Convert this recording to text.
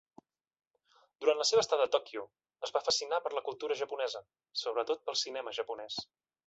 Durant la seva estada a Tòquio, es va fascinar per la cultura japonesa, sobretot pel cinema japonès.